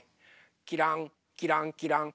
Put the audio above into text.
きらんきらんきらん。